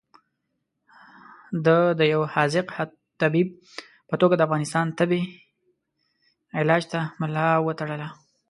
ده د یو حاذق طبیب په توګه د افغانستان تبې علاج ته ملا وتړله.